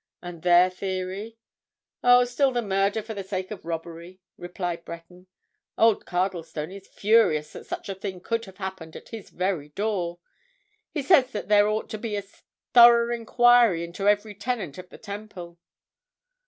"And their theory—" "Oh, still the murder for the sake of robbery!" replied Breton. "Old Cardlestone is furious that such a thing could have happened at his very door. He says that there ought to be a thorough enquiry into every tenant of the Temple."